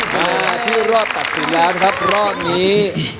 มาที่รอบตัดสินล้านครับรอบนี้